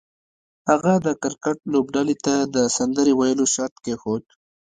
هغه د کرکټ لوبډلې ته د سندرې ویلو شرط کېښود